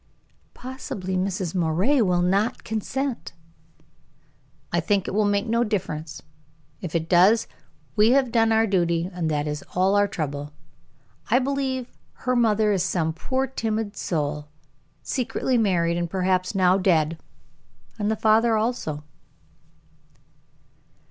"Possibly Mrs. Moray will not consent." "I think it will make no difference. If it does, we have done our duty, and that is all our trouble. I believe her mother is some poor timid soul, secretly married, and perhaps now dead, and the father also."